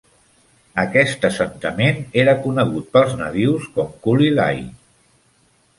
Aquest assentament era conegut pels nadius com "Culilay".